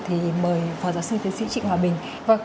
thì mời phó giáo sư tiến sĩ trịnh hòa bình